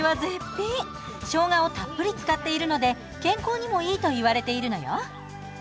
生姜をたっぷり使っているので健康にもいいと言われているのよ。